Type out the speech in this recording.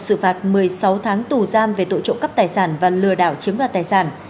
xử phạt một mươi sáu tháng tù giam về tội trộm cắp tài sản và lừa đảo chiếm đoạt tài sản